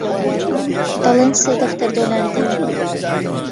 دەڵێن سێ دەفتەر دۆلاری دەوێ